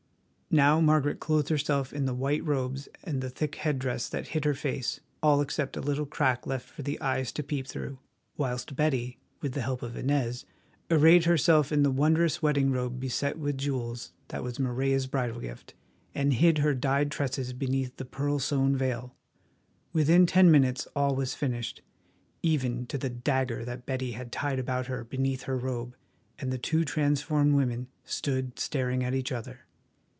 Now Margaret clothed herself in the white robes and the thick head dress that hid her face, all except a little crack left for the eyes to peep through, whilst Betty, with the help of Inez, arrayed herself in the wondrous wedding robe beset with jewels that was Morella's bridal gift, and hid her dyed tresses beneath the pearl sewn veil. Within ten minutes all was finished, even to the dagger that Betty had tied about her beneath her robe, and the two transformed women stood staring at each other.